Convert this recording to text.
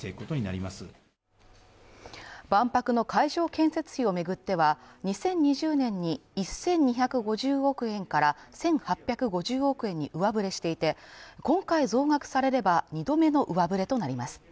建設費を巡っては２０２０年に１２５０億円から１８５０億円に上振れしていて今回増額されれば２度目の上振れとなります